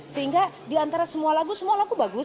sehingga di antara semua lagu semua lagu bagus